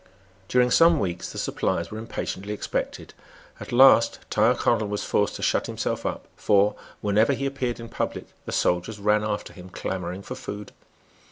During some weeks the supplies were impatiently expected. At last, Tyrconnel was forced to shut himself up; for, whenever he appeared in public, the soldiers ran after him clamouring for food.